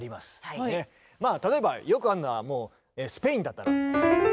例えばよくあるのはもうスペインだったら。